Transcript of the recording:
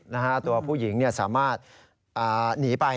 โกหกว่าตัวผู้หิงสามารถหนีไป